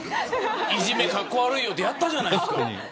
いじめ格好悪いよってあったじゃないですか。